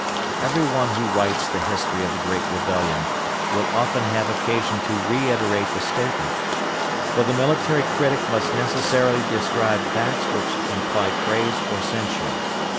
Every one who writes the history of the Great Rebellion will often have occasion to reiterate the statement: For the military critic must necessarily describe facts which imply praise or censure.